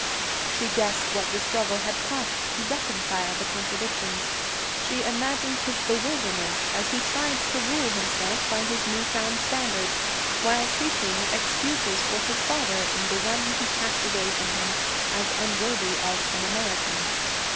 She guessed what the struggle had cost to reconcile the contradictions; she imagined his bewilderment as he tried to rule himself by his new found standards, while seeking excuses for his father in the one he cast away from him as unworthy of an American.